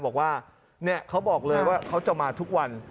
บอกว่าเขาบอกเลยว่าเขาจะมาทุกวัน